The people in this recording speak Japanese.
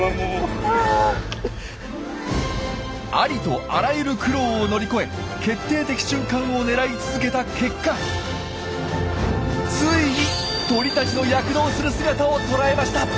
ありとあらゆる苦労を乗り越え決定的瞬間を狙い続けた結果ついに鳥たちの躍動する姿を捉えました。